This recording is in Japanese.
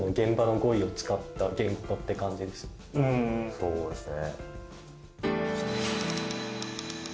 そうですね。